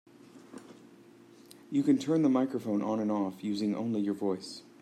You can turn the microphone on and off using only your voice.